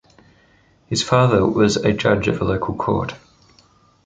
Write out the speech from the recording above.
His father was a judge of local court.